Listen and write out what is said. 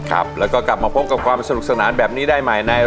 ครับแล้วก็กลับมาพบกับความสนุกสนานแบบนี้ได้ใหม่ใน